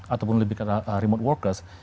ataupun lebih kata remote workers